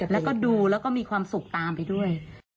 แล้วก็ดูแล้วก็มีความสุขตามไปด้วย